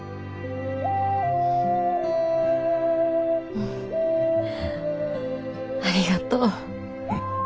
うんありがとう。